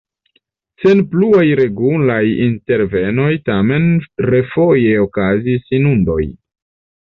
Sen pluaj regulaj intervenoj tamen refoje okazis inundoj.